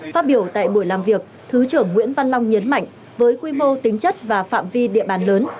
phát biểu tại buổi làm việc thứ trưởng nguyễn văn long nhấn mạnh với quy mô tính chất và phạm vi địa bàn lớn